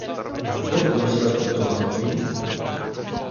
Kdo v důsledku toho trpí?